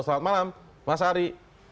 selamat malam mas ary